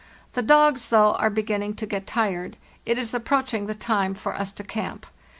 The dogs, though, are beginning to get tired; it is approaching the time for us to camp.